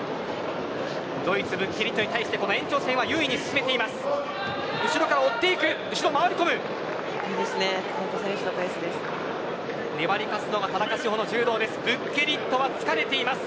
ドイツ、ブッケリットに対して延長戦を優位に進めています。